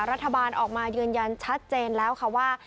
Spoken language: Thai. รัฐบาลออกมายืนยันชัดเจนแล้วค่ะว่า